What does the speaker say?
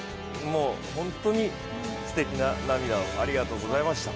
本当にすてきな涙をありがとうございました。